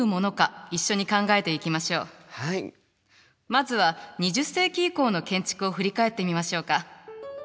まずは２０世紀以降の建築を振り返ってみましょうか。